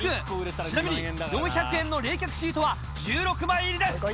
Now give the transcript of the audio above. ちなみに４００円の冷却シートは１６枚入りです。